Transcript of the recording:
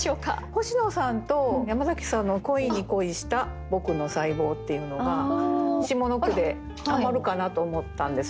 星野さんと山崎さんの「恋に恋した僕の細胞」っていうのが下の句ではまるかなと思ったんですよね。